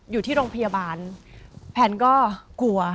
อยู่ที่โรงพยาบาลแพนก็กลัว